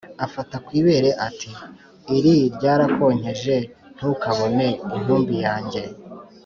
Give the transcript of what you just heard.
Afata ku ibere ati: “Iri ryarakonkeje ntukabone intumbi yange